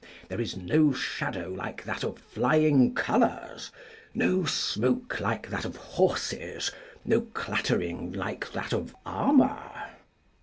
There is no shadow like that of flying colours, no smoke like that of horses, no clattering like that of armour.